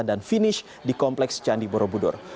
dan finish di kompleks candi borobudur